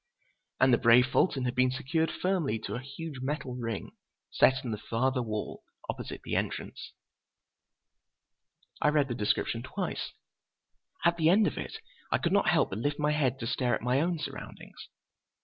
And the brave Fulton had been secured firmly to a huge metal ring set in the farther wall, opposite the entrance. I read the description twice. At the end of it I could not help but lift my head to stare at my own surroundings.